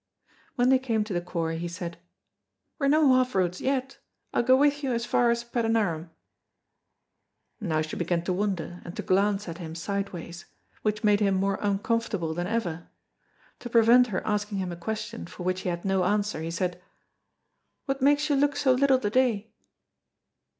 When they came to the quarry he said, "We're no half roads yet, I'll go wi' you as far as Padanarum." Now she began to wonder and to glance at him sideways, which made him more uncomfortable than ever. To prevent her asking him a question for which he had no answer, he said, "What makes you look so little the day?"